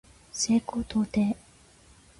西高東低